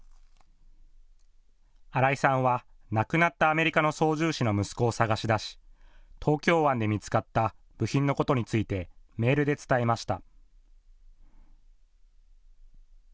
新井さんは亡くなったアメリカの操縦士の息子を捜し出し、東京湾で見つかった部品のことについてメールで伝えました。